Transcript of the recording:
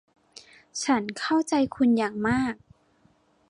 ฉันเข้าใจคุณอย่างมาก